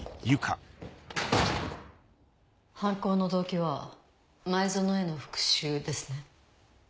犯行の動機は前薗への復讐ですね？